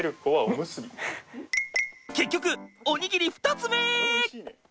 結局おにぎり２つ目！